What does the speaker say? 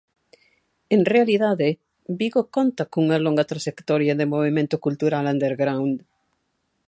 En realidade, Vigo conta cunha longa traxectoria de movemento cultural underground.